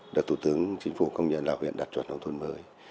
được thủ tướng chính phủ công nhận là huyện đạt chuẩn nông thôn mới